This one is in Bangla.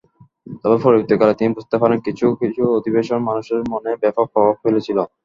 তবে পরবর্তীকালে তিনি বুঝতে পারেন, কিছু কিছু অধিবেশন মানুষের মনে ব্যাপক প্রভাব ফেলেছিল।